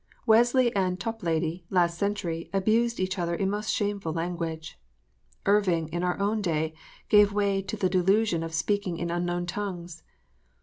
Wesley and Toplady, last century, abused each other in most shameful language. Irving, in our own day, gave way to the delusion of speaking in unknown tongues.